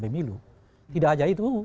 pemilu tidak saja itu